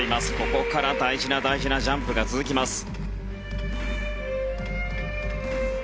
ここから大事なジャンプが続きます。